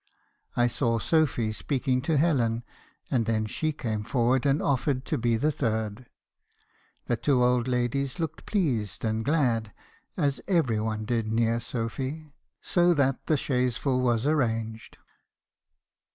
I saw Sophy speaking to Helen; and then she came forward and offered to be the third. The two old ladies looked pleased and glad (as every one did near Sophy) ; so that chaise full was arranged.